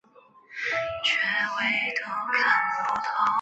霞林街道是中国福建省莆田市城厢区下辖的一个街道。